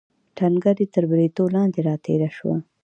ټنګه دې تر بریتو لاندې راتېره شوه.